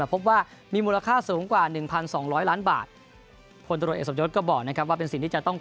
พบว่ามีมูลค่าสูงกว่า๑๒๐๐ล้านบาท